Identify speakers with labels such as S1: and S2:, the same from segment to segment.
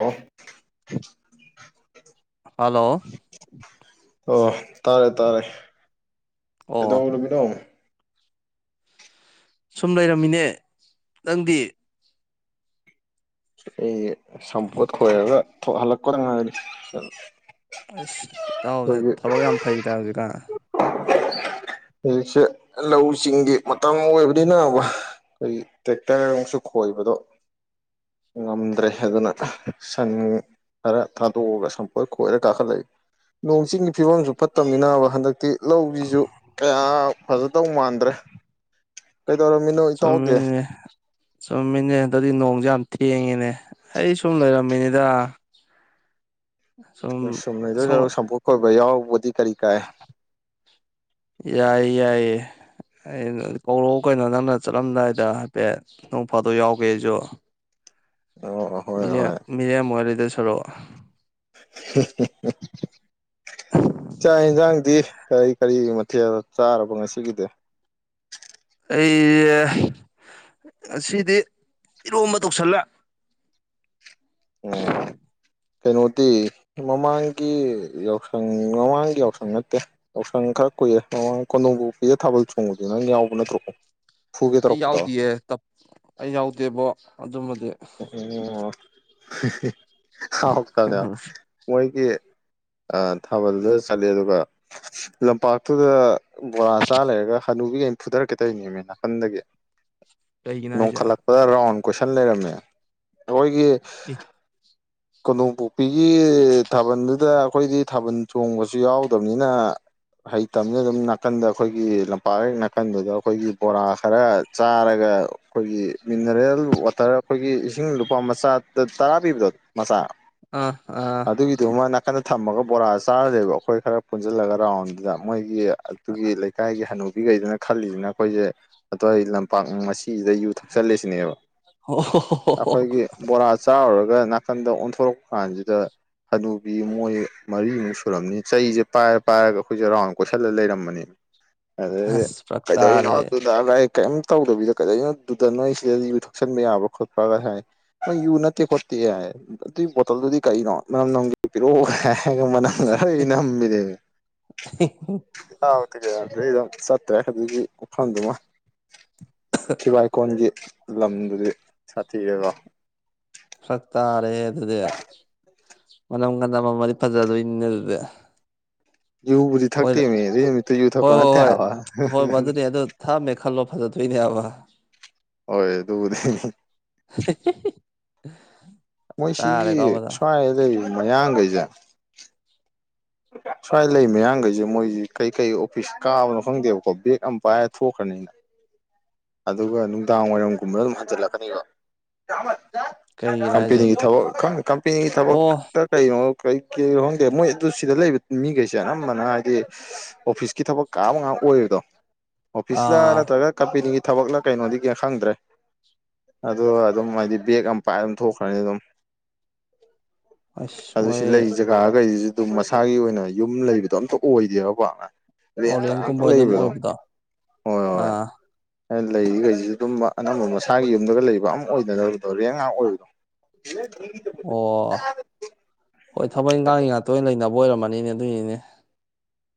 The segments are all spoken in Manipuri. S1: ꯑꯣ
S2: ꯍꯜꯂꯣ
S1: ꯑꯣ ꯇꯥꯔꯦ ꯇꯥꯔꯦ ꯀꯇꯧ
S2: ꯑꯣ
S1: ꯑꯣꯏꯔꯨꯕꯤꯅꯣ
S2: ꯁꯨꯝ ꯂꯩꯔꯝꯃꯤꯅꯦ ꯅꯪꯗꯤ
S1: ꯑꯩ ꯁꯄꯣꯠ ꯈꯣꯏꯔꯒ ꯊꯕꯛ ꯍꯜꯂꯛꯇ ꯉꯥꯏꯔꯤ
S2: ꯑꯁ ꯏꯇꯥꯎꯁꯦ
S1: ꯑꯩꯈꯣꯏꯒꯤ
S2: ꯊꯕꯛ ꯌꯥꯝ ꯐꯩ ꯇ ꯍꯧꯖꯤꯛꯀꯥꯟ
S1: ꯍꯧꯁꯦ ꯂꯧ ꯆꯤꯡꯒꯤ ꯃꯇꯝ ꯑꯣꯏꯕꯅꯤ ꯅꯕ ꯑꯩꯏ ꯇꯦꯛꯇꯔ ꯑꯃꯨꯛꯁꯨ ꯈꯣꯏꯕꯗꯣ ꯉꯝꯗ꯭ꯔꯦ ꯑꯗꯨꯅ ꯁꯟ ꯈꯔ ꯊꯥꯗꯣꯛꯑꯒ ꯁꯝꯄꯣꯏ ꯈꯣꯏꯔ ꯀꯥꯈꯠꯂꯛꯏ ꯅꯣꯡ ꯆꯤꯡꯒꯤ ꯐꯤꯕꯝꯁꯨ ꯐꯠꯇꯕꯅꯤꯅꯕ ꯍꯟꯗꯛ ꯇꯤ ꯂꯧꯁꯤꯁꯨ ꯀꯌꯥ ꯐꯖꯗꯧ ꯃꯥꯟꯗ꯭ꯔꯦ ꯀꯩꯗꯧꯔꯝꯃꯤꯅꯣ ꯏꯇꯥꯎꯗꯤ
S2: ꯆꯨꯝꯃꯤꯅꯦ ꯆꯨꯝꯃꯤꯅꯦ ꯑꯗꯨꯗꯤ ꯅꯣꯡꯁꯦ ꯌꯥꯝ ꯊꯦꯡꯉꯤꯅꯦ ꯑꯩ ꯁꯨꯝ ꯂꯩꯔꯝꯃꯤꯅꯤꯗ
S1: ꯁꯨꯝ ꯅꯗ ꯁꯄꯨꯠ ꯈꯣꯏꯕ ꯌꯥꯎ ꯕꯗꯤ ꯀꯔꯤ ꯀꯥꯏ
S2: ꯌꯥꯏ ꯑꯦ ꯑꯩꯅ ꯀꯧꯔꯛꯑꯣ ꯀꯩꯅꯣ ꯅꯪꯅ ꯆꯠꯂꯝꯗꯥꯏꯗ ꯍꯥꯏꯐꯦꯠ ꯅꯣꯡ ꯐꯥꯗꯣꯛ ꯌꯥꯎꯒꯦ ꯑꯩꯁꯨ
S1: ꯑꯣ ꯍꯣꯏ ꯍꯣꯏ
S2: ꯃꯤꯔꯦꯝ ꯑꯣꯏꯗꯣꯏ ꯁꯥꯔꯨꯛ
S1: ꯆꯥꯛ ꯑꯦꯟ ꯁꯥꯡ ꯗꯤ ꯀꯔꯤ ꯀꯔꯤ ꯃꯊꯦꯜ ꯆꯥꯔꯕ ꯉꯁꯤꯒꯤꯗꯤ
S2: ꯑꯩ ꯉꯁꯤꯗꯤ ꯏꯔꯣꯝꯕ ꯇꯧꯁꯤꯜꯂ
S1: ꯑꯣ ꯀꯩꯅꯣꯗꯤ ꯃꯃꯥꯡꯒꯤ ꯌꯥꯎꯁꯪ ꯃꯃꯥꯡꯒꯤ ꯌꯥꯎꯁꯪ ꯅꯠꯇꯦ ꯌꯥꯎꯁꯪ ꯈꯔ ꯀꯨꯏꯦ ꯃꯃꯥꯡ ꯀꯣꯟꯗꯣꯡꯕꯕꯨ ꯄꯤꯔꯦ ꯊꯥꯕꯜ ꯆꯣꯡꯕꯁ ꯅꯪ ꯌꯥꯎꯕ ꯅꯠꯇ꯭ꯔꯣ ꯐꯨꯒꯦ
S2: ꯑꯩ
S1: ꯇꯧꯔꯛꯄꯗꯣ
S2: ꯌꯥꯎꯗꯌꯦ ꯑꯩ ꯌꯥꯎꯗꯦꯕꯣ ꯑꯗꯨꯝꯕꯗꯤ
S1: ꯍꯎꯇꯕꯅꯦ ꯃꯣꯏꯒꯤ ꯑ ꯊꯥꯕꯜꯗꯨꯗ ꯆꯠꯂꯦ ꯑꯗꯨꯒ ꯂꯝꯄꯥꯛꯇꯨꯗ ꯕꯣꯔꯥ ꯆꯥ ꯂꯩꯔꯒ ꯍ ꯑꯗꯨꯕꯤ ꯐꯨꯊꯔꯛꯀꯦ ꯇꯧꯅꯤꯅꯦꯅꯦ ꯅꯥꯀꯟꯗꯒꯤ
S2: ꯀꯩꯒꯤꯅꯣ ꯍꯥꯏꯁꯦ
S1: ꯅꯣꯡꯈꯠꯂꯛꯄꯗ ꯔꯥꯎꯟ ꯀꯣꯏꯁꯟ ꯂꯩꯔꯝꯃꯦ ꯃꯣꯏꯒꯤ ꯀꯣꯗꯣꯝꯄꯣꯛꯄꯤꯒꯤ ꯊꯥꯕꯜꯗꯨꯗ ꯑꯩꯈꯣꯏꯗꯤ ꯊꯥꯕꯟ ꯆꯣꯡꯕꯁꯨ ꯌꯥꯎꯗꯕꯅꯤꯅ ꯍꯩꯇꯝꯅ ꯑꯗꯨꯝ ꯅꯥꯀꯟꯗ ꯑꯩꯈꯣꯏꯒꯤ ꯂꯝꯄꯥꯛ ꯍꯦꯛ ꯅꯥꯀꯟꯗꯨꯗ ꯑꯩꯈꯣꯏꯒꯤ ꯕꯣꯔꯥ ꯈꯔ ꯆꯥꯔꯒ ꯑꯩꯈꯣꯏꯒꯤ ꯃꯤꯅꯔꯦꯜ ꯋꯥꯇꯔ ꯑꯩꯈꯣꯏꯒꯤ ꯏꯁꯤꯡ ꯂꯨꯄꯥ ꯃꯆꯥ ꯇꯔꯥ ꯄꯤꯕꯗꯣ ꯃꯆꯥ
S2: ꯑ ꯑꯥ
S1: ꯀꯟꯅ ꯊꯝꯃꯒ ꯕꯣꯔꯥ ꯆꯥꯔꯁꯦꯕ ꯑꯩꯈꯣꯏ ꯈꯔ ꯄꯨꯟꯁꯤꯜꯂꯒ ꯔꯥꯎꯟꯗꯨꯗ ꯃꯣꯏꯒꯤ ꯑꯗꯨꯒꯤ ꯂꯩꯀꯥꯏꯒꯤ ꯍꯅꯨ ꯈꯩꯗꯅ ꯈꯜꯂꯤꯁꯤꯅ ꯑꯩꯈꯣꯏꯁꯦ ꯑꯇꯧꯋꯥꯏ ꯂꯝꯄꯥꯛ ꯃꯁꯤꯁꯤꯗ ꯌꯨ ꯊꯛꯆꯜꯂꯁꯤꯅꯦꯕ
S2: ꯑꯣ
S1: ꯑꯩꯈꯣꯏꯒꯤ ꯕꯣꯔꯥ ꯆꯥꯔꯨꯔꯒ ꯅꯥꯀꯟꯗ ꯑꯣꯟꯊꯣꯔꯛꯄ ꯀꯥꯟꯁꯤꯗ ꯍꯅꯨꯕꯤ ꯃꯣꯏ ꯃꯔꯤꯃꯨꯛ ꯁꯨꯔꯝꯅꯤ ꯆꯩꯁꯦ ꯄꯥꯏꯔ ꯄꯥꯏꯔꯒ ꯑꯩꯈꯣꯏꯁꯦ ꯔꯥꯎꯟ ꯀꯣꯏꯁꯜꯂꯒ ꯂꯩꯔꯝꯕꯅꯦ ꯃꯤ ꯑꯗꯩꯗ
S2: ꯑꯁ ꯐꯔꯛ
S1: ꯀꯩ ꯇꯧꯔꯤꯅꯣ
S2: ꯇꯥꯔꯦ
S1: ꯑꯗꯨꯗ ꯅꯣ ꯀꯩꯝ ꯇꯧꯗꯕꯤꯗ ꯀꯗꯧꯅꯣꯗꯨꯗ ꯅꯣꯏ ꯁꯤꯗ ꯌꯨ ꯊꯛꯆꯟꯕ ꯌꯥꯕ ꯈꯣꯠꯄ ꯍꯣꯏ ꯐ ꯅꯣꯏ ꯌꯨ ꯅꯠꯇꯦ ꯈꯣꯠꯇꯦ ꯍꯥꯏ ꯑꯗꯨꯏ ꯕꯣꯇꯜꯗꯨꯗꯤ ꯀꯩꯅꯣ ꯃꯝ ꯅꯪꯒꯤ ꯄꯤꯔꯛꯑꯣ ꯁꯥꯒꯣꯝ ꯃꯅꯝꯒ ꯑꯔꯣꯏꯕ ꯅꯝꯕꯤꯅꯦꯃꯤ ꯩ ꯑꯗꯨꯝ ꯆꯠꯇ꯭ꯔꯦ ꯑꯗꯨꯖꯤꯒꯤ ꯎꯐꯝꯗꯨꯃ ꯊꯤꯕꯥꯏ ꯀꯣꯟꯒꯤ ꯂꯝꯗꯨꯗꯤ ꯁꯥꯊꯤꯔꯦꯀꯣ
S2: ꯐꯔꯛ ꯇꯥꯔꯦꯍꯦ ꯑꯗꯨꯗꯤ ꯃꯅꯝꯒ ꯅꯝꯃꯗꯤ ꯐꯖꯗꯣꯏ ꯅꯤꯅꯦ ꯑꯗꯨꯗꯦ
S1: ꯌꯨꯕꯨꯗꯤ ꯊꯛꯇꯦ ꯃꯤ ꯑꯗꯨ ꯅꯨꯃꯤꯠꯇ ꯌꯨ ꯊꯛꯄ
S2: ꯍꯣꯏ ꯍꯣꯏ
S1: ꯅꯠꯇꯦ
S2: ꯍꯣꯏ
S1: ꯍꯥꯏꯕ
S2: ꯍꯣꯏ ꯃꯗꯨꯅꯦ ꯑꯗꯨ ꯊꯛꯑꯝꯃꯦ ꯈꯜꯂꯣ ꯐꯖꯗꯣꯏꯅꯦ ꯍꯥꯏꯕ
S1: ꯍꯣꯏ ꯑꯗꯨꯕꯨꯗꯤ
S2: ꯍꯥꯍꯥ ꯍꯤꯍꯤ
S1: ꯃꯣꯏꯁꯤꯒꯤ ꯁ꯭ꯋꯥꯏꯗ ꯂꯩꯔꯤꯕ ꯃꯌꯥꯡꯒꯩꯖꯦ ꯁ꯭ꯋꯥꯏ ꯂꯩ ꯃꯌꯥꯡꯈꯩꯁꯦ ꯃꯣꯏꯁꯤ ꯀꯩꯀꯩ ꯑꯣꯐꯤꯁ ꯀꯥꯕꯅꯣ ꯈꯪꯗꯦꯕꯀꯣ ꯕꯦꯛ ꯑꯃ ꯄꯥꯏꯔ ꯊꯣꯛꯈ꯭ꯔ ꯑꯗꯨꯒ ꯅꯨꯡꯗꯥꯡ ꯋꯥꯏꯔꯝꯒꯨꯝꯕꯗ ꯑꯗꯨꯝ ꯍꯟꯖꯜꯂꯛꯀꯅꯤꯕ
S2: ꯀꯩꯒꯤꯅꯣ ꯍꯥꯏꯁꯦ
S1: ꯀꯝꯄꯦꯅꯤꯒꯤ ꯊꯕꯛ ꯈꯪ ꯀꯝꯄꯦꯅꯤꯒꯤ ꯊꯕꯛ
S2: ꯑꯣ
S1: ꯂ ꯀꯩꯅꯣ ꯀꯩ ꯀꯩꯅꯣ ꯈꯪꯗꯦ ꯃꯣꯏ ꯑꯗꯨ ꯁꯤꯗ ꯂꯩꯕ ꯃꯤꯈꯩꯁꯦ ꯑꯅꯝꯕꯅꯅ ꯍꯥꯏꯗꯤ ꯑꯣꯐꯤꯁꯀꯤ ꯊꯕꯛ ꯀꯥꯕ ꯉꯥꯛ ꯑꯣꯏꯔꯤꯗꯣ ꯑꯣꯐꯤꯁꯂ
S2: ꯑꯥ
S1: ꯅꯠꯇ꯭ꯔꯒ ꯀꯝꯄꯦꯅꯤꯒꯤ ꯊꯕꯛꯂ ꯀꯩꯅꯣꯗꯤ ꯈꯪꯗ꯭ꯔꯦ ꯑꯗꯣ ꯑꯗꯨꯝ ꯍꯥꯏꯗꯤ ꯕꯦꯒ ꯑꯃ ꯄꯥꯏꯔ ꯑꯗꯨꯝ ꯊꯣꯛꯈ꯭ꯔꯅꯤ ꯑꯗꯨꯝ
S2: ꯑꯁ
S1: ꯑꯗꯨ
S2: ꯃꯣꯏ
S1: ꯁꯤ ꯂꯩ ꯖꯒꯥꯒꯩꯁꯤꯁꯨ ꯑꯗꯨꯝ ꯃꯁꯥꯒꯤ ꯑꯣꯏꯅ ꯌꯨꯝ ꯂꯩꯕꯗꯣ ꯑꯝꯇ ꯑꯣꯏꯗꯦꯕ ꯄꯥꯛꯅ ꯔꯦꯟ [unintelligible] ꯉꯥꯛ
S2: ꯑꯣꯔꯦꯟꯖꯀꯨꯝꯕ ꯑꯗꯨꯝ
S1: ꯂꯩꯕꯗꯣ
S2: ꯑꯣꯏꯕꯗꯣ
S1: ꯍꯣꯏ ꯍꯣꯏ ꯍꯣꯏ
S2: ꯑꯥ
S1: ꯂꯩꯔꯤ ꯂꯩꯁꯤꯁꯨ ꯑꯗꯨꯝ ꯑꯅꯝꯕ ꯃꯁꯥꯒꯤ ꯌꯨꯝꯗꯒ ꯂꯩꯕ ꯑꯝ ꯑꯣꯏꯗꯅꯕꯗꯣ ꯔꯦꯟ ꯉꯥꯛ ꯑꯣꯏꯕꯗꯣ
S2: ꯑꯣ ꯍꯣꯏ ꯊꯕꯛ ꯏꯪꯈꯥꯡꯒꯤ ꯉꯥꯛꯇ ꯑꯣꯏꯅ ꯂꯩꯅꯕ ꯑꯣꯏꯔꯝꯃꯅꯤꯅꯦ ꯑꯗꯨꯏꯅꯤꯅꯦ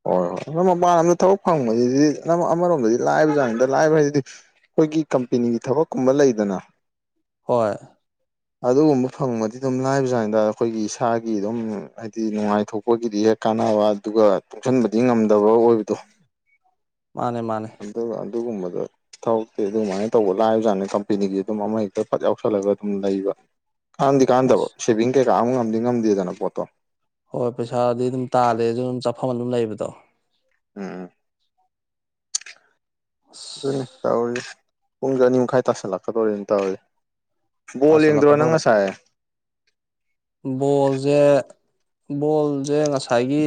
S1: ꯍꯣꯏ ꯍꯣꯏ ꯃꯄꯥꯟ ꯂꯝꯗ ꯊꯕꯛ ꯐꯪꯕꯕꯁꯤꯗꯤ ꯅꯝ ꯑꯃꯔꯣꯝꯗꯗꯤ ꯂꯥꯏꯕ ꯖꯥꯠꯅꯤꯗ ꯂꯥꯏꯕ ꯍꯥꯏꯁꯤꯗꯤ ꯑꯩꯈꯣꯏꯒꯤ ꯀꯝꯄꯦꯅꯤꯒꯤ ꯊꯕꯛꯀꯨꯝꯕ ꯂꯩꯗꯅ
S2: ꯍꯣꯏ
S1: ꯑꯗꯨꯒꯨꯝꯕ ꯐꯪꯕꯗꯤ ꯑꯗꯨꯝ ꯂꯥꯏꯕꯖꯥꯠꯅꯤꯗ ꯑꯩꯈꯣꯏꯒꯤ ꯏꯁꯥꯒꯤ ꯑꯗꯨꯝ ꯍꯥꯏꯗꯤ ꯅꯨꯡꯉꯥꯏꯊꯣꯛꯄꯒꯤꯗꯤ ꯌꯥꯏ ꯀꯥꯟꯅꯕ ꯑꯗꯨꯒ ꯇꯨꯡꯁꯤꯟꯕꯗꯤ ꯉꯝꯗꯕ ꯑꯣꯏꯕꯗꯣ
S2: ꯃꯥꯅꯦ ꯃꯥꯅꯦ
S1: ꯑꯗꯨꯒ ꯑꯗꯨꯒꯨꯝꯕꯗꯣ ꯊꯕꯛꯇꯤ ꯑꯗꯨꯃꯥꯏꯅ ꯇꯧꯕ ꯂꯥꯕꯖꯥꯠꯅꯦ ꯀꯝꯄꯦꯅꯤꯒꯤ ꯑꯗꯨꯝ ꯑꯃ ꯍꯦꯛꯇ ꯐꯠ ꯌꯥꯎꯁꯜꯂꯒ ꯑꯗꯨꯝ ꯂꯩꯕ ꯀꯥꯟꯗꯤ ꯀꯥꯟꯅꯗꯕ
S2: ꯑꯁ
S1: ꯁꯦꯚꯤꯡ ꯀꯩꯀꯥ ꯑꯃ ꯉꯝꯗꯤ ꯉꯝꯗꯦꯗꯅ ꯄꯣꯠꯇꯣ
S2: ꯍꯣꯏ ꯄꯩꯁꯥꯗꯤ ꯑꯗꯨꯝ ꯇꯥꯜꯂꯦ ꯑꯗꯨ ꯑꯗꯨꯝ ꯆꯥꯐꯝ ꯑꯗꯨꯝ ꯂꯩꯕꯗꯣ
S1: ꯎꯝ
S2: ꯑꯁ
S1: ꯑꯗꯨꯅꯤ ꯇꯧꯔꯤꯁꯦ ꯄꯨꯡꯗꯤ ꯑꯅꯤ ꯃꯈꯥꯏ ꯇꯁꯤꯜꯂꯛꯀꯗꯧꯔꯦꯅꯦ ꯇꯧꯔꯤꯁꯦ
S2: ꯇꯁꯜꯂꯛꯀꯗꯧꯔꯦ ꯕꯣꯜꯖꯦ ꯕꯣꯜꯖꯦ ꯉꯁꯥꯏꯒꯤ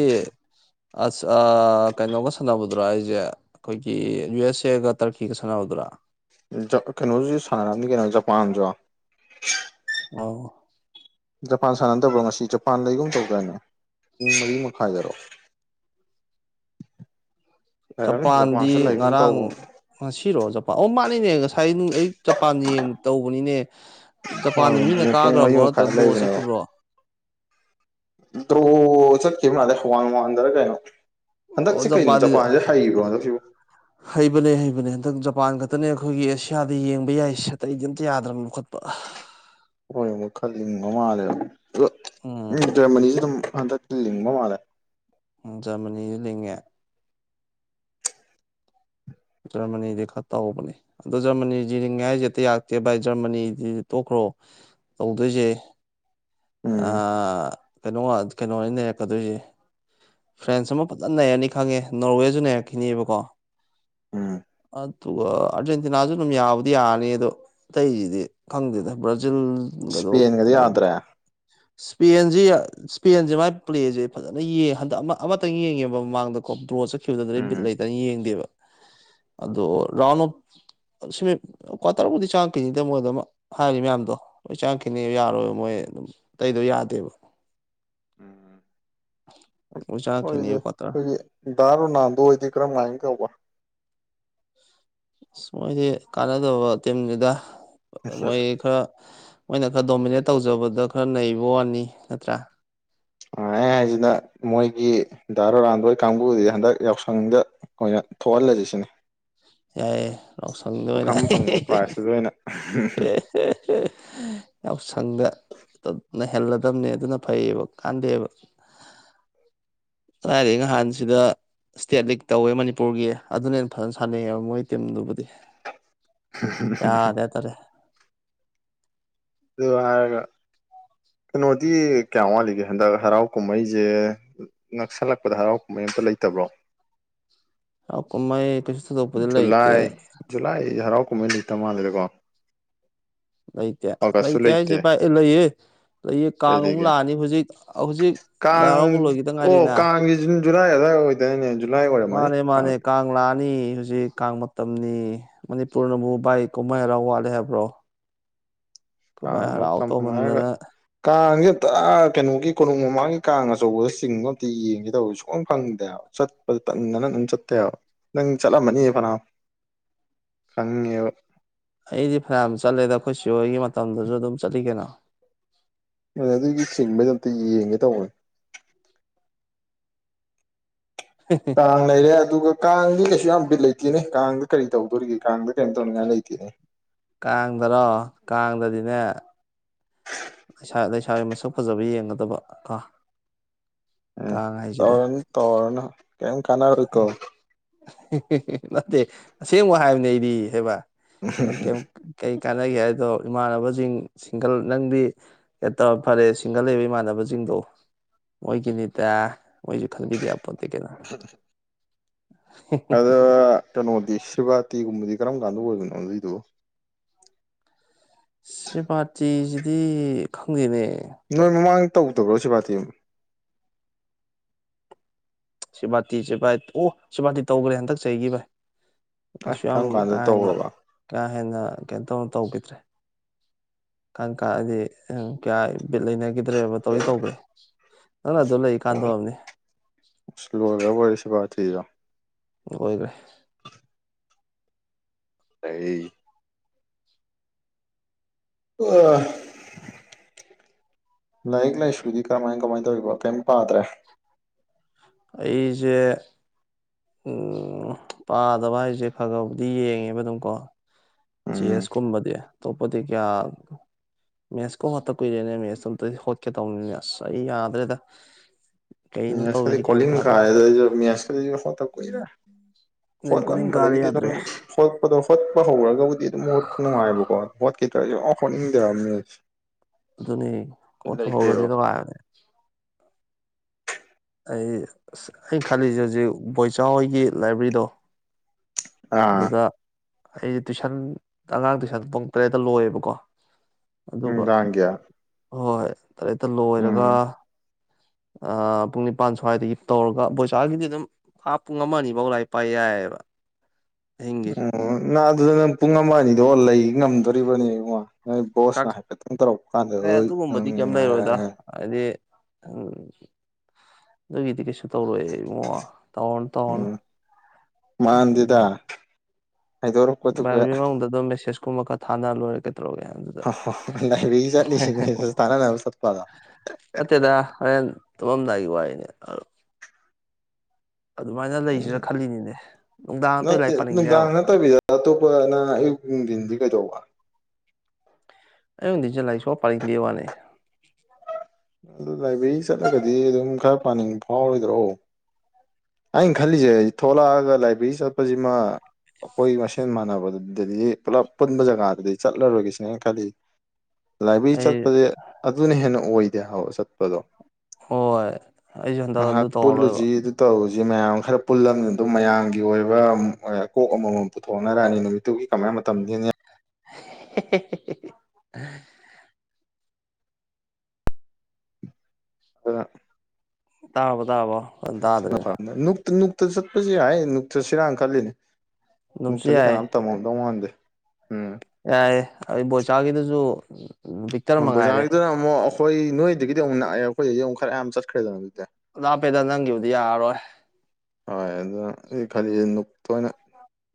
S2: ꯑꯁ ꯑꯥ ꯀꯩꯅꯣꯒ ꯁꯥꯟꯅꯕꯗꯨꯔꯥ ꯍꯥꯏꯖꯦ ꯑꯩꯈꯣꯏꯒꯤ ꯌꯨ ꯑꯦꯁ ꯑꯦꯒ ꯇꯔꯀꯤꯒ ꯁꯥꯟꯅꯕꯗꯣ ꯕ꯭ꯔꯥ
S1: ꯖꯥ ꯀꯩꯅꯣꯁꯤꯁꯨ ꯁꯥꯟꯅꯔꯝꯅꯤ ꯀꯩꯅꯣ ꯖꯄꯥꯟꯖꯨ
S2: ꯑꯣ
S1: ꯖꯄꯥꯟ ꯁꯥꯟꯅꯗꯕ꯭ꯔꯣ ꯉꯁꯤ ꯖꯄꯥꯟ ꯂꯩꯒꯨꯝ ꯇꯧꯗꯥꯏꯅꯦ ꯄꯨꯡ ꯃꯔꯤ ꯃꯈꯥꯏꯗꯔꯣ [inaudible] ꯂꯩꯔꯝꯅꯤ
S2: ꯖꯄꯥꯟꯗꯤ
S1: ꯖꯄꯥꯟꯁꯨ ꯂꯩꯒꯨꯝ
S2: ꯉꯔꯥꯡ
S1: ꯇꯧꯕ
S2: ꯉꯁꯤꯔꯣ ꯖꯄꯥꯟ ꯑꯣ ꯃꯥꯅꯤꯅꯦ ꯉꯁꯥꯏ ꯑꯌꯨꯛ ꯖꯄꯥꯟ ꯌꯦꯡ ꯇꯧꯕꯅꯤꯅꯦ
S1: ꯍꯣꯏ
S2: ꯖꯄꯥꯟꯗꯣ ꯃꯤꯅ
S1: ꯑꯗꯨꯅꯦ ꯄꯨꯡ ꯃꯔꯤ
S2: ꯀꯥꯈ꯭ꯔꯕ꯭ꯔꯣ ꯅꯠꯇ꯭ꯔ
S1: ꯃꯈꯥꯏ
S2: ꯗ꯭ꯔꯣ
S1: ꯂꯩꯕꯅꯦꯕ
S2: ꯆꯠꯈꯤꯕ꯭ꯔꯣ
S1: ꯗ꯭ꯔꯣ ꯆꯠꯈꯤꯕ ꯃꯥꯂꯦ ꯋꯥꯟ ꯋꯥꯟꯗꯔ ꯀꯩꯅꯣ
S2: ꯑꯣ
S1: ꯍꯟꯗꯛꯁꯤ ꯀꯩꯅꯣ
S2: ꯖꯄꯥꯟꯗꯤ
S1: ꯖꯄꯥꯟꯁꯦ ꯍꯩꯕ꯭ꯔꯣ ꯍꯟꯗꯛꯁꯤꯕꯨ
S2: ꯍꯩꯕꯅꯦ ꯍꯩꯕꯅꯦ ꯍꯟꯗꯛ ꯖꯄꯥꯟ ꯈꯛꯇꯅꯦ ꯑꯩꯈꯣꯏꯒꯤ ꯑꯦꯁꯤꯌꯥꯗ ꯌꯦꯡꯕ ꯌꯥꯔꯤꯁꯦ ꯑꯇꯩꯗꯤ ꯑꯝꯇ ꯌꯥꯗ꯭ꯔꯕꯅꯤ ꯂꯧꯈꯠꯄ
S1: ꯍꯣꯏ ꯑꯃꯨꯛ ꯈꯔꯂꯤꯡꯕ ꯃꯥꯜꯂꯦꯕ ꯑ ꯎ
S2: ꯎꯝ
S1: ꯖꯔꯃꯅꯤꯁꯤ ꯑꯗꯨꯝ ꯍꯟꯗꯛ ꯑꯗꯨ ꯂꯤꯡꯕ ꯃꯥꯜꯂꯦ
S2: ꯎꯝ ꯖꯔꯃꯅꯤꯁꯨ ꯂꯤꯡꯉꯦ ꯖꯔꯃꯅꯤꯗꯤ ꯈꯔ ꯇꯧꯕꯅꯦ ꯑꯗꯣ ꯖꯔꯃꯅꯤ ꯅꯤꯡꯉꯦ ꯍꯥꯏꯔꯤꯁꯦ ꯍꯦꯛꯇ ꯌꯥꯔꯛꯇꯦ ꯚꯥꯏ ꯖꯔꯃꯅꯤꯗꯤ ꯇꯣꯛꯈ꯭ꯔꯣ ꯇꯧꯗꯣꯏꯁꯦ
S1: ꯎꯝ
S2: ꯑꯥ ꯀꯩꯅꯣ ꯉꯥ ꯀꯩꯅꯣꯅꯤ ꯅꯩꯔꯛꯀꯗꯣꯏꯁꯦ ꯐ꯭ꯔꯦꯟꯁ ꯑꯃ ꯐꯖꯅ ꯅꯩꯔꯅꯤ ꯈꯪꯉꯦ ꯅꯣꯔꯋꯦꯁꯨ ꯅꯩꯔꯛꯈꯤꯅꯤꯕꯀꯣ
S1: ꯎꯝ
S2: ꯑꯗꯨꯒ ꯑꯥꯔꯖꯦꯟꯇꯤꯅꯥꯁꯨ ꯑꯗꯨꯝ ꯌꯥꯕꯨꯗꯤ ꯌꯥꯔꯅꯤ ꯑꯗꯣ ꯑꯇꯩꯁꯤꯗꯤ ꯈꯪꯗꯦꯗ ꯖꯤꯜꯒꯗꯣ
S1: ꯏꯁꯄꯦꯟꯒꯗꯤ
S2: ꯑꯗꯩꯗꯤ
S1: ꯌꯥꯗ꯭ꯔꯦ
S2: ꯄꯦꯟꯖꯦ ꯁ꯭ꯄꯦꯟꯁꯤ ꯃꯥꯏ ꯄ꯭ꯂꯦꯁꯦ ꯐꯖꯅ ꯌꯦꯡ ꯍꯟ ꯑꯥ ꯑꯃ ꯑꯃꯇꯪ ꯌꯦꯡꯉꯦꯕ ꯃꯃꯥꯡꯗꯀꯣ ꯗ꯭ꯔꯣ ꯆꯠꯈꯤꯕꯗꯨꯗꯩ
S1: ꯎꯝ
S2: ꯕꯤꯠ ꯂꯩꯇꯗꯅ ꯌꯦꯡꯗꯦꯕ ꯑꯗꯣ ꯔꯥꯎꯟꯑꯣꯞ ꯁꯤꯃꯤ ꯀ꯭ꯋꯥꯇꯔꯕꯨꯗꯤ ꯆꯥꯉꯛꯈꯤꯅꯤꯗ ꯃꯣꯏ ꯗꯨꯝ ꯍꯥꯏꯔꯤ ꯃꯌꯥꯝꯗꯣ ꯂꯣꯏ ꯆꯥꯉꯛꯈꯤꯅꯤ ꯌꯥꯔꯣꯏꯕ ꯃꯣꯏ ꯑꯦ ꯗꯨꯝ ꯇꯩꯗꯣ ꯌꯥꯗꯦꯕ
S1: ꯎꯝ
S2: ꯂꯣꯏ
S1: ꯑꯣꯏꯗꯤ
S2: ꯆꯪꯉꯛꯈꯤꯅꯤ ꯀ꯭ꯋꯥꯇꯔ
S1: ꯑꯩꯈꯣꯏꯒꯤ ꯗꯥ ꯔꯣꯅꯥꯜꯗꯣ ꯍꯣꯏꯗꯤ ꯀꯔꯝꯍꯥꯏꯅ ꯇꯧꯕ
S2: ꯑꯁ ꯃꯣꯏꯗꯤ ꯀꯥꯟꯅꯗꯕ ꯇꯤꯝꯅꯤꯗ ꯃꯣꯏ ꯈꯔ ꯃꯣꯏꯅ ꯈꯔ ꯗꯣꯃꯤꯅꯦꯠ ꯇꯧꯖꯕꯗ ꯈꯔ ꯅꯩꯕ ꯋꯥꯅꯤ ꯅꯠꯇ꯭ꯔꯥ
S1: ꯥꯑꯥ ꯑꯩ ꯍꯥꯏꯁꯤꯅ ꯃꯣꯏꯒꯤ ꯗꯥ ꯔꯣꯅꯥꯜꯗꯣꯍꯣꯏ ꯀꯥꯡꯕꯨꯗꯨꯗꯤ ꯍꯟꯗꯛ ꯌꯥꯎꯁꯪꯗ ꯑꯣꯏꯅ ꯊꯣꯛꯍꯜꯂꯁꯤ ꯁꯤꯅꯦ
S2: ꯌꯥꯌꯦ ꯌꯥꯎꯁꯪꯗ ꯑꯣꯏꯅ ꯑꯍꯦ ꯍꯦ
S1: ꯐꯪꯕ
S2: ꯍꯦ
S1: ꯄ꯭ꯔꯥꯏꯖꯇꯨꯗ ꯑꯣꯏꯅ
S2: ꯍꯦ ꯍꯦ ꯍꯦ ꯍꯦ ꯌꯥꯎꯁꯪꯗ ꯅꯩꯍꯦꯜꯂꯗꯕꯅꯦ ꯑꯗꯨꯅ ꯐꯩꯌꯦꯕ ꯀꯥꯟꯗꯦꯕ ꯀꯗꯥꯏꯗꯩ ꯅꯍꯥꯟ ꯁꯤꯗ ꯏꯁꯇꯦꯠ ꯂꯤꯛ ꯇꯧꯋꯦ ꯃꯅꯤꯄꯨꯔꯒꯤ ꯑꯗꯨꯅ ꯍꯦꯟꯅ ꯐꯖꯅ ꯁꯥꯟꯅꯩꯌꯦꯕ ꯃꯣꯏ ꯇꯤꯝꯗꯨꯕꯨꯗꯤ
S1: ꯍꯨ ꯍꯨ ꯍꯨ ꯍꯨꯝ
S2: ꯌꯥꯗꯦ ꯍꯥꯏꯇꯥꯔꯦ
S1: ꯑꯗꯨ ꯍꯥꯏꯔꯒ ꯀꯩꯅꯣꯗꯤ ꯀꯌꯥꯝ ꯋꯥꯠꯂꯤꯒꯦ ꯍꯟꯗꯛ ꯍꯔꯥꯎ ꯀꯨꯝꯍꯩꯖꯦ ꯅꯛꯁꯜꯂꯛꯄꯗ ꯍꯔꯥꯎ ꯀꯨꯝꯍꯩ ꯑꯝꯇ ꯂꯩꯇꯕ꯭ꯔꯣ
S2: ꯔꯥꯎ ꯀꯨꯝꯃꯩ
S1: ꯖꯨꯂꯥꯏ ꯖꯨꯂꯥꯏꯗꯗꯤ ꯍꯔꯥꯎ ꯀꯨꯝꯍꯩ ꯂꯩꯇ ꯃꯥꯜꯂꯤꯗꯀꯣ
S2: ꯂꯩꯇꯦ ꯂꯩꯇꯦ ꯍꯥꯏꯖꯦ ꯕꯥꯏ ꯂꯩꯍꯦ ꯂꯩꯌꯦ
S1: ꯀꯩ
S2: ꯀꯥꯡ ꯑꯃꯨꯛ
S1: ꯂꯩꯒꯦ
S2: ꯂꯥꯛꯑꯅꯤ ꯍꯧꯖꯤꯛ ꯍꯧꯖꯤꯛ ꯂꯥꯏ
S1: ꯀꯥꯡ
S2: ꯍꯔꯥꯎꯕ ꯂꯣꯏꯈꯤꯗ
S1: ꯑꯣ
S2: ꯉꯥꯏꯔꯤꯅ
S1: ꯀꯥꯡꯒꯤ ꯖꯨꯂꯥꯏ ꯑꯗꯋꯥꯏ ꯑꯣꯏꯗꯣꯏꯅꯦ ꯖꯨꯂꯥꯏ ꯑꯣꯏꯔꯝꯃꯅꯤ ꯀꯥꯡ
S2: ꯅꯤ ꯍꯧꯖꯤꯛ ꯀꯥꯡ ꯃꯇꯝꯅꯤ ꯃꯅꯤꯄꯨꯔꯅꯕꯨ ꯕꯥꯏ ꯀꯨꯝꯍꯩ ꯍꯥꯏꯔꯥꯎ ꯋꯥꯠꯂꯦ ꯍꯥꯏꯕ꯭ꯔꯣ
S1: ꯀꯥꯡ
S2: ꯀꯨꯝꯍꯩ ꯍꯔꯥꯎ
S1: ꯃꯇꯝ ꯍꯥꯏꯒ
S2: ꯇꯧꯃꯟꯗꯅ
S1: ꯀꯥꯡꯁꯦ ꯇꯑꯥ ꯀꯩꯅꯣꯒꯤ ꯀꯣꯅꯨꯡ ꯃꯃꯥꯡꯒꯤ ꯀꯥꯡ ꯑꯆꯧꯕꯗ ꯆꯤꯡꯕ ꯑꯝꯇ ꯌꯦꯡꯒꯦ ꯇꯧꯕꯁꯦ ꯁꯨꯛꯐꯪ ꯐꯪꯗꯦ ꯍꯥꯏꯕ ꯆꯠꯄ ꯇꯟꯗꯅ ꯑꯗꯨꯝ ꯆꯠꯇꯦꯕ ꯅꯪ ꯆꯠꯂꯝꯃꯅꯤ ꯐꯅꯥꯝ ꯈꯪꯉꯦꯕ
S2: ꯑꯩꯗꯤ ꯐꯅꯌꯥꯝ ꯆꯠꯂꯦꯗ ꯑꯩꯈꯣꯏ ꯆꯦꯍꯣꯏꯒꯤ ꯃꯇꯝꯗꯁꯨ ꯑꯗꯨꯝ ꯆꯠꯂꯤ ꯀꯩꯅꯣ
S1: ꯑꯗꯨ ꯑꯗꯨꯒꯤ ꯆꯤꯡꯕꯩꯗ ꯑꯝꯇ ꯌꯦꯡꯉꯦ ꯇꯧꯕꯅꯦ ꯀꯥꯡ ꯂꯩꯔꯦ ꯑꯗꯨꯒ ꯀꯥꯡꯗꯤ ꯀꯩꯁꯨ ꯌꯥꯝ ꯕꯤꯠ ꯂꯩꯇꯦꯅꯦ ꯀꯥꯡꯗ ꯀꯔꯤ ꯇꯧꯗꯣꯔꯤꯒꯦ ꯀꯥꯡꯗ ꯀꯔꯤꯝ ꯇꯧꯅꯤꯡꯉꯥꯏ ꯂꯩꯇꯦꯅꯦ
S2: ꯀꯥꯡꯗꯔꯣ ꯀꯥꯡꯗꯗꯤꯅꯦ ꯂꯩꯁꯥ ꯂꯩꯁꯥꯕꯤ ꯃꯁꯛ ꯐꯖꯕ ꯌꯦꯡꯒꯗꯕ ꯀꯣ
S1: ꯎꯝ
S2: ꯀꯥꯡ ꯍꯥꯏꯁꯤꯗꯤ
S1: ꯇꯧꯔꯅꯤ ꯇꯧꯔꯣꯅꯣ ꯀꯦꯝ ꯀꯥꯟꯅꯔꯣꯏꯀꯣ
S2: ꯍꯦ ꯍꯦ ꯍꯦ ꯅꯠꯇꯦ ꯑꯁꯦꯡꯕ ꯍꯥꯏꯕꯅꯤ ꯑꯩꯗꯤ ꯍꯥꯏꯕ ꯅꯪ ꯀꯦꯝ ꯀꯩ ꯀꯥꯅ ꯈꯥꯟꯅꯒꯦ ꯍꯥꯏꯗꯣ ꯏꯃꯥꯟꯅꯕꯁꯤꯡ ꯁꯤꯡꯒꯜ ꯅꯪꯗꯤ ꯇꯧꯔ ꯐꯔꯦ ꯁꯤꯡꯒꯜ ꯂꯩꯕ ꯏꯃꯥꯟꯅꯕꯁꯤꯡꯗꯣ
S1: [inaudible]
S2: ꯃꯣꯏꯒꯤꯅꯤꯗ ꯃꯣꯏꯁꯨ ꯈꯟꯕꯤꯗ ꯌꯥꯄꯣꯠꯇꯦ ꯀꯩꯅꯣ
S1: ꯑꯗ ꯀꯩꯅꯣꯗꯤ ꯁ꯭ꯔꯤꯕꯥꯇꯤꯒꯨꯝꯕꯗꯤ ꯀꯔꯝ ꯀꯥꯟꯗ ꯑꯣꯏꯕꯅꯣ ꯑꯗꯨꯏꯗꯣ
S2: ꯁ꯭ꯔꯤꯕꯥꯇꯤꯁꯥꯖꯤꯗꯤ ꯈꯪꯗꯦꯅꯦ
S1: ꯅꯣꯏ ꯃꯃꯥꯡꯗ ꯇꯧꯗꯕ꯭ꯔꯣ ꯁꯤꯕꯥꯇꯤ
S2: ꯁꯤꯚꯥꯇꯤ ꯁꯤ ꯚꯥꯏ ꯑꯣ ꯁꯤꯚꯥꯇꯤ ꯇꯧꯈ꯭ꯔꯦ ꯍꯟꯗꯛ ꯆꯩꯒꯤ ꯚꯥꯏ
S1: ꯑꯦ
S2: ꯀꯩꯁꯨ ꯌꯥꯝ
S1: ꯀꯔꯝ
S2: ꯀꯥ
S1: ꯀꯥꯟꯗ
S2: ꯍꯦꯟꯅ
S1: ꯇꯧꯔꯕ
S2: ꯀꯥ ꯍꯦꯟꯅ ꯀꯩꯅꯣ ꯇꯧ ꯇꯧꯈꯤꯗ꯭ꯔꯦ ꯀꯥꯟ ꯀꯥ ꯑꯗꯤ ꯀꯌꯥ ꯕꯤꯠ ꯂꯩꯅꯈꯤꯗ꯭ꯔꯦꯕ ꯇꯧꯗꯤ ꯇꯧꯒ꯭ꯔꯦ ꯅꯪ ꯑꯗꯨꯗ ꯂꯩꯀꯥꯟꯗ ꯑꯣꯏꯔꯝꯅꯤ
S1: ꯂꯣꯏꯒ꯭ꯔꯕꯣꯏꯔꯦ ꯁꯤꯕꯇꯤꯗꯣ
S2: ꯂꯣꯏꯒ꯭ꯔꯦ
S1: ꯑꯩ ꯑꯥ ꯂꯥꯏꯔꯤꯛ ꯂꯥꯏꯁꯨꯗꯤ ꯀꯔꯃꯥꯏ ꯀꯃꯥꯏꯅ ꯇꯧꯔꯤꯕꯣ ꯀꯩꯝ ꯄꯥꯗ꯭ꯔꯦ
S2: ꯑꯩꯖꯦ ꯎꯝ ꯄꯥꯗꯕ ꯍꯥꯏꯁꯦ ꯐꯒꯕꯨꯗꯤ ꯌꯦꯡꯉꯦꯕ ꯑꯗꯨꯝꯀꯣ ꯖꯤ
S1: ꯎꯝ
S2: ꯑꯦꯁ ꯀꯨꯨꯝꯕꯗꯤ ꯑꯇꯣꯞꯄꯗꯤ ꯀꯌꯥ ꯃꯦꯠꯁꯀꯥ ꯍꯦꯠꯇ ꯀꯨꯏꯔꯦꯅꯦ ꯃꯦꯁꯇꯣ ꯑꯝꯇꯗꯤ ꯍꯣꯠꯀꯦ ꯇꯧꯕꯅꯤꯅꯦ ꯑꯁ ꯑꯩ ꯌꯥꯗ꯭ꯔꯦꯗ ꯀꯩꯅꯣ
S1: ꯃꯦꯁꯀꯗꯤ
S2: ꯇꯧꯔꯤꯁꯦ ꯒ꯭ꯌꯥꯟ
S1: ꯀꯣꯂꯤꯡ
S2: ꯇꯥꯗ꯭ꯔꯦ
S1: ꯀꯥꯔꯦꯗ ꯑꯩꯖꯨ ꯃꯦꯁꯀꯁꯤ ꯍꯣꯠꯇ ꯀꯨꯏꯔꯦ
S2: ꯑꯗꯩ ꯀꯣꯂꯤꯡ ꯀꯥꯔꯦ
S1: ꯍꯣꯠꯂꯝꯕꯗꯒꯤꯗꯤ
S2: ꯌꯥꯗ꯭ꯔꯦ
S1: ꯑꯗꯨꯝ ꯍꯣꯠꯄꯗꯣ ꯍꯣꯠꯄ ꯍꯧꯔꯒꯕꯨꯗꯤ ꯑꯗꯨꯝ ꯅꯨꯡꯉꯥꯏꯕꯀꯣ ꯍꯣꯠꯈꯤꯗ꯭ꯔꯁꯨ ꯑꯞ ꯍꯣꯠꯅꯤꯡꯗꯦꯕ ꯃꯦꯁ ꯁꯦ
S2: ꯑꯗꯨꯅꯤ ꯀꯣꯍꯣꯠꯇ ꯍꯣꯒꯛꯙꯕꯗꯤ ꯅꯨꯡꯉꯥꯏꯕꯅꯤ ꯑꯩ ꯑꯁ ꯑꯩ ꯈꯜꯂꯤꯁꯦ ꯍꯧꯖꯤꯛ ꯕꯣꯏꯆꯥꯎ ꯍꯣꯏꯒꯤ ꯂꯥꯏꯕ꯭ꯔꯦꯔꯤꯗꯣ
S1: ꯑꯥ
S2: ꯑꯗꯨꯗ ꯑꯩꯁꯦ ꯇꯨꯏꯁꯟ ꯑꯉꯥꯡ ꯇꯨꯏꯁꯟ ꯄꯨꯡ ꯇꯔꯦꯠꯇ ꯂꯣꯏꯌꯦꯕꯀꯣ ꯑꯗꯨꯒ
S1: ꯅꯨꯡꯗꯥꯡꯒꯤ
S2: ꯍꯣꯏ ꯇꯔꯦꯠꯇ ꯂꯣꯏꯔꯒ
S1: ꯎꯝ [inaudible]
S2: ꯑꯥ ꯄꯨꯡ ꯅꯤꯄꯥꯟ ꯁ꯭ꯋꯥꯏꯗꯒꯤ ꯇꯧꯔꯒ ꯕꯣꯏꯆꯥꯒꯤꯗꯤ ꯑꯗꯨꯝ ꯍꯥꯞ ꯄꯨꯡ ꯑꯃ ꯑꯅꯤꯕꯧ ꯂꯥꯏ ꯄꯥꯏ ꯌꯥꯏꯌꯦꯕ
S1: ꯑꯣ ꯅ ꯑꯗꯨꯗ ꯅꯪ ꯄꯨꯡ ꯑꯃ ꯑꯅꯤꯗꯣ ꯂꯩ ꯉꯝꯗꯣꯔꯤꯕꯅꯦ ꯏꯉꯣ ꯅꯣꯏ
S2: ꯆꯥꯛ
S1: ꯕꯣꯁꯅ ꯍꯥꯏꯐꯦꯠꯇꯪ ꯇꯧꯔꯛꯄ ꯀꯥꯟꯗꯥꯟꯗ
S2: ꯑꯦ
S1: ꯋꯣꯏ
S2: ꯑꯗꯨꯒꯨꯝꯕꯗꯤ ꯀꯩꯝ
S1: ꯅꯪꯅ
S2: ꯂꯩꯔꯣꯏꯗ
S1: ꯍꯥꯏ
S2: ꯍꯥꯏꯗꯤ ꯎꯝ ꯑꯗꯨꯒꯤꯗꯤ ꯀꯩꯁꯨ ꯇꯧꯔꯣꯌꯦ ꯏꯉꯣ ꯇꯧꯔꯅꯨ ꯇꯧꯔꯅꯨ
S1: ꯎꯝ
S2: ꯑꯗꯨꯝ
S1: ꯃꯥꯟꯗꯦꯗ ꯍꯥꯏꯗꯣꯔꯛꯄꯗꯨꯒ
S2: ꯚꯥꯏꯚ꯭ꯔꯤ ꯃꯅꯨꯡꯗ ꯑꯗꯨꯝ ꯃꯦꯁꯦꯁ ꯀꯨꯝꯕ ꯈꯔ ꯊꯥꯅ ꯂꯣꯏꯔꯦ ꯀꯩꯗꯧꯔꯒꯦ ꯑꯗꯨꯗ
S1: ꯍꯥ ꯍꯥ ꯍꯥ ꯂꯥꯏꯕ꯭ꯔꯤ ꯆꯠꯂꯤꯁꯤꯗꯤ ꯃꯦꯁ ꯊꯥꯅꯅꯕ ꯆꯠꯄꯔ
S2: ꯅꯇꯦꯗ ꯍꯣꯔꯦꯟ ꯇꯨꯝꯃꯝꯗꯥꯏꯒꯤ ꯋꯥꯔꯤꯅꯦ ꯑꯗꯨꯃꯥꯏꯅ ꯂꯩꯁꯤꯔꯥ ꯈꯜꯂꯤꯅꯤꯅꯦ ꯅꯨꯡꯗꯥꯡ ꯑꯇꯩ
S1: ꯅꯠꯇꯦ
S2: ꯂꯥꯏꯔꯤꯛ
S1: ꯅꯨꯡꯗꯥꯡ
S2: ꯄꯥꯅꯤꯡꯗꯦꯕ
S1: ꯅꯇꯕꯤꯗ ꯑꯇꯣꯞꯄ ꯅꯪ ꯑꯌꯨꯛ ꯅꯨꯡꯗꯤꯟꯗꯤ ꯀꯩꯗꯧꯕ
S2: ꯑꯌꯨꯛ ꯅꯨꯗꯤꯖꯦ ꯂꯥꯢꯔꯤꯛ ꯁꯨꯛꯄꯥ ꯄꯥꯅꯤꯡꯗꯦ ꯋꯥꯅꯦ
S1: ꯑꯗꯨ ꯂꯥꯏꯕ꯭ꯔꯦꯔꯤ ꯆꯠꯂꯒꯗꯤ ꯑꯗꯨꯝ ꯈꯔ ꯄꯥꯅꯤꯡꯕ ꯐꯥꯎꯔꯣꯏꯗ꯭ꯔꯣ ꯑꯩꯅ ꯈꯜꯂꯤꯁꯦ ꯊꯣꯛꯂꯛꯑꯒ ꯂꯥꯏꯕ꯭ꯔꯦꯔꯤ ꯆꯠꯄꯁꯤꯃ ꯑꯈꯣꯏ ꯃꯁꯦꯟ ꯃꯥꯟꯅꯕꯗꯨꯗꯗꯤ ꯄꯨꯂꯞ ꯄꯨꯟꯕ ꯖꯒꯥꯗꯨꯗꯤ ꯆꯠꯂꯔꯣꯏꯒꯦꯁꯤꯅꯦ ꯑꯩ ꯈꯜꯂꯤꯖꯦ ꯂꯥꯏꯕ꯭ꯔꯦꯔꯤ
S2: ꯑꯩ
S1: ꯆꯠꯄꯖꯦ ꯑꯗꯨꯅ ꯍꯦꯟꯅ ꯑꯣꯏꯗꯦ ꯍꯥꯕ ꯆꯠꯄꯗꯣ
S2: ꯍꯣꯏ ꯑꯩꯁꯨ ꯍꯟꯗꯛ ꯑꯗꯨ ꯇꯧꯔꯔꯣꯏꯕ
S1: ꯇꯧꯋꯤꯖꯦ ꯃꯌꯥꯝ ꯈꯔ ꯄꯨꯜꯂꯝꯅꯤꯅ ꯑꯗꯨꯝ ꯃꯌꯥꯝꯒꯤ ꯑꯣꯏꯕ ꯀꯣꯛ ꯑꯃꯃꯝ ꯄꯨꯊꯣꯛꯅꯔꯛꯑꯅꯤ ꯅꯨꯃꯤꯠꯇꯨꯒꯤ ꯀꯃꯥꯏ ꯃꯇꯝ ꯂꯦꯟꯅꯤ
S2: ꯍꯦ ꯍꯦ ꯍꯦ ꯍꯦ ꯍꯥ
S1: ꯗꯨꯅ
S2: ꯇꯥꯔꯕꯣ ꯇꯥꯔꯕꯣ ꯐꯖꯅ ꯇꯥꯗ꯭ꯔꯦ
S1: [unintelligible] ꯅꯨꯛꯇ ꯅꯨꯛꯇ ꯆꯠꯄꯁꯨ ꯌꯥꯏ ꯅꯨꯡꯛꯇ ꯆꯁꯤꯔꯥꯅ ꯈꯜꯂꯤꯅꯦ
S2: ꯑꯗꯨꯝꯁꯨ
S1: ꯅꯨꯛꯇꯗꯤ
S2: ꯌꯥꯏꯌꯦ
S1: ꯀꯅꯥꯝ ꯇꯝꯃꯝꯗꯧ ꯃꯥꯟꯗꯦ ꯎꯝ
S2: ꯌꯥꯏꯌꯦ ꯑꯥ ꯕꯣꯏꯆꯥꯥꯒꯤꯗꯨꯁꯨ
S1: ꯍꯣꯏ ꯕꯣꯏꯆꯥꯒꯤꯗꯅ ꯑꯃꯨꯛ ꯑꯈꯣꯏ ꯅꯣꯏꯗꯒꯤꯗꯤ ꯑꯃꯨꯛ ꯅꯛꯑꯦ ꯑꯩꯈꯣꯏꯗꯩꯗꯤ ꯑꯃꯨꯛ ꯈꯔ ꯌꯥꯝ ꯆꯠꯈ꯭ꯔꯦꯗꯅ ꯗꯨꯗꯤ
S2: ꯂꯥꯞꯄꯦꯗ ꯅꯪꯒꯤꯕꯨꯗꯤ ꯌꯥꯔꯔꯣꯏ
S1: ꯍꯣꯏ ꯑꯗꯨꯅ ꯑꯩꯅ ꯈꯂꯤꯁꯦ ꯅꯨꯛꯇ ꯑꯣꯏꯅ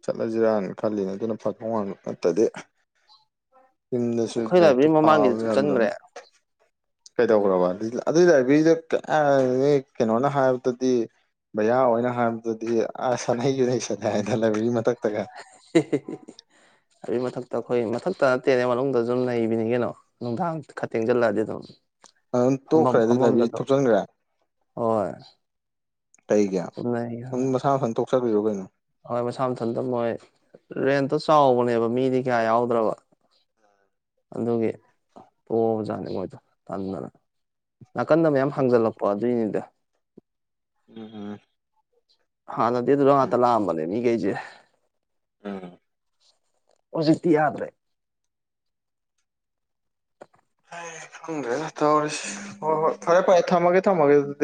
S1: ꯆꯠꯂꯁꯤꯔꯅ ꯈꯜꯂꯤ ꯑꯗꯨꯅ ꯐꯗꯧ ꯃꯥꯟꯕ ꯅꯠꯇꯗꯤ ꯌꯨꯝꯗꯁꯨ
S2: ꯑꯩꯈꯣꯏ
S1: ꯂꯥꯏꯔꯤꯛꯇꯣ
S2: ꯂꯥꯏꯕ꯭ꯔꯦꯔꯤ ꯃꯃꯥꯡꯒꯤꯗꯤ
S1: ꯄꯥꯕꯗꯣ
S2: ꯊꯨꯞꯆꯟꯈ꯭ꯔꯦ
S1: ꯉꯝꯗꯝꯅꯤꯅ ꯀꯩꯗꯧꯒ꯭ꯔꯕ ꯑꯗꯨꯏ ꯂꯥꯏꯕ꯭ꯔꯦꯔꯤꯗꯣ ꯀ ꯑꯥ ꯅꯣꯏ ꯀꯩꯅꯣꯅ ꯍꯥꯏꯕꯗꯗꯤ ꯃꯌꯥ ꯑꯣꯏꯅ ꯍꯥꯏꯕꯗꯗꯤ ꯑꯥ ꯁꯥꯟꯅꯩ ꯌꯨꯅꯩ ꯁꯟꯂꯦ ꯍꯥꯏꯗ ꯂꯕ꯭ꯔꯦꯔꯤ ꯃꯊꯛ
S2: ꯍꯦ ꯍꯦ ꯍꯦ ꯍꯦ ꯂꯥꯏꯕ꯭ꯔꯦꯔꯤ ꯃꯊꯛ ꯑꯩꯈꯣꯏ ꯃꯊꯛꯇ ꯅꯠꯇꯦꯅꯦ ꯃꯅꯨꯡꯗꯁꯨ ꯑꯗꯨꯝ ꯅꯩꯕꯤꯅꯤ ꯀꯩꯅꯣ ꯅꯨꯡꯗꯥꯡ ꯈꯔ ꯇꯦꯡꯁꯤꯜꯂꯛꯑꯗꯤ ꯑꯗꯨꯝ
S1: ꯑꯗꯨꯝ
S2: ꯐꯝꯐꯝ
S1: ꯇꯣꯛꯈ꯭ꯔꯦ ꯑꯗꯨꯗꯤ
S2: ꯐꯝꯐꯝꯗ
S1: ꯂꯥꯢꯕ꯭ꯔꯦꯔꯤ
S2: ꯑꯗꯨꯝ
S1: ꯊꯨꯞꯆꯟꯒ꯭ꯔꯦ
S2: ꯍꯣꯏ
S1: ꯀꯩꯒꯤ ꯑꯗꯨꯝ ꯃꯁꯥ ꯃꯊꯟ ꯇꯣꯛꯆꯈ꯭ꯔꯤꯔꯣ ꯀꯩꯅꯣ
S2: ꯍꯣꯏ ꯃꯁꯥ ꯃꯊꯟꯇ ꯃꯣꯏ ꯔꯦꯟꯇꯣ ꯆꯥꯎꯕꯅꯦꯕ ꯃꯤꯗꯤ ꯀꯌꯥ ꯌꯥꯎꯗ꯭ꯔꯕ ꯑꯗꯨꯒꯤ ꯇꯣꯛꯑꯕꯖꯥꯠꯅꯦ ꯃꯣꯏꯗꯣ ꯇꯟꯗꯅ ꯅꯥꯀꯟꯗ ꯃꯌꯥꯝ ꯍꯥꯡꯖꯜꯂꯛꯄ ꯑꯗꯨꯏꯅꯤꯗ
S1: ꯎꯝ ꯎꯝ
S2: ꯍꯥꯟꯅꯗꯤ ꯑꯗꯨꯗ ꯉꯥꯛꯇ ꯂꯥꯛꯑꯝꯕꯅꯦ ꯃꯤꯒꯩꯖꯦ
S1: ꯎꯝ
S2: ꯎꯖꯤꯛꯇꯤ ꯌꯥꯗ꯭ꯔꯦ
S1: ꯈꯪꯗ꯭ꯔꯦ ꯇꯧꯔꯤꯁꯤ ꯍꯣꯏ ꯍꯣꯏ ꯐꯔꯦ ꯐꯔꯦ ꯊꯝꯃꯒꯦ ꯊꯝꯃꯒꯦ ꯑꯗꯨꯗꯤ